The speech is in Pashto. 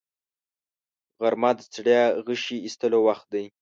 غرمه د ستړیا غشي ایستلو وخت دی